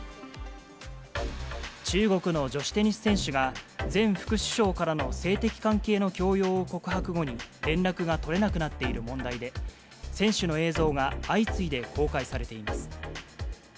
中国の女子テニス選手が、前副首相からの性的関係の強要を告白後に連絡が取れなくなっている問題で、選手の映像が相次いで公開されています。